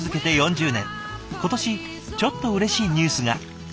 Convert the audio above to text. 今年ちょっとうれしいニュースが。